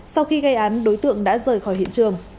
sau khi gây án đối tượng đã rời khỏi hiện trường